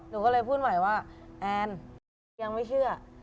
หนูก็เลยพูดใหม่ว่าแอนยังไม่เชื่อ